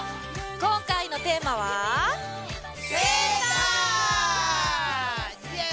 今回のテーマはイエイ！